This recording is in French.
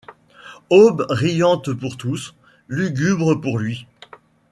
Aube riante pour tous, lugubre pour lui.